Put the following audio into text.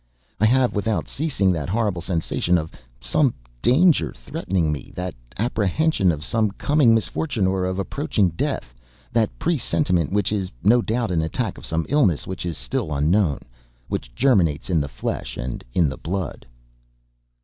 I have without ceasing that horrible sensation of some danger threatening me, that apprehension of some coming misfortune or of approaching death, that presentiment which is, no doubt, an attack of some illness which is still unknown, which germinates in the flesh and in the blood.